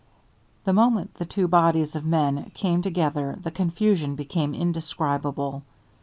The moment the two bodies of men came together the confusion became indescribable.